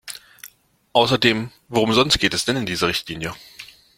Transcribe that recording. Außerdem, worum sonst geht es denn in dieser Richtlinie?